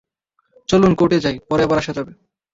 চলুন কোর্টে যাই, পরে আবার আসা যাবে।